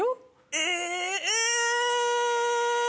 え。